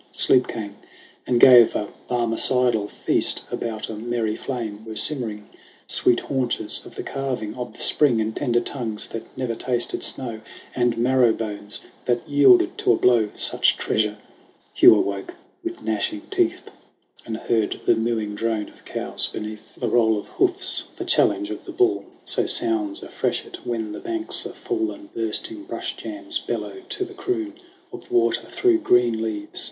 Sleep came and gave a Barmecidal feast. About a merry flame were simmering Sweet haunches of the calving of the Spring, And tender tongues that never tasted snow, And marrow bones that yielded to a blow Such treasure ! Hugh awoke with gnashing teeth, And heard the mooing drone of cows beneath, THE CRAWL 65 The roll of hoofs, the challenge of the bull. So sounds a freshet when the banks are full And bursting brush jams bellow to the croon Of water through green leaves.